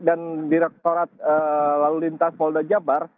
dan direkturat lalu lintas molda jabar